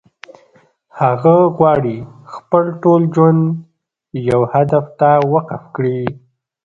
هغه غواړي خپل ټول ژوند يو هدف ته وقف کړي.